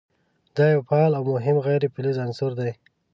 دا یو فعال او مهم غیر فلز عنصر دی.